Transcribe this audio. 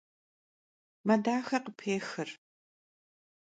Me daxe khıppêxır.